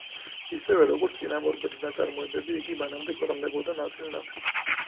ისევე, როგორც წინამორბედი ნაწარმოებები, იგი მანამდე ქვეყნდებოდა ნაწილ-ნაწილ.